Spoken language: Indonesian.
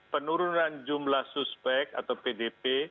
penurunan jumlah suspek atau pdp